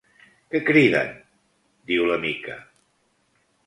Què criden? —diu la Mica.